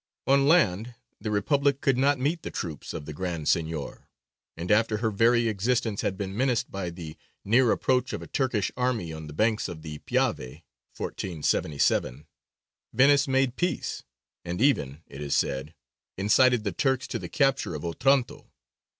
On land, the Republic could not meet the troops of the Grand Signior, and after her very existence had been menaced by the near approach of a Turkish army on the banks of the Piave (1477), Venice made peace, and even, it is said, incited the Turks to the capture of Otranto.